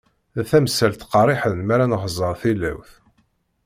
D tamsalt qerriḥen mi ara nexẓer tilawt.